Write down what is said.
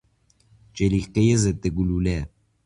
جلیقهی ضد گلوله